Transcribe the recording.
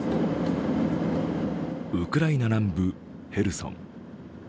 ウクライナ南部ヘルソン。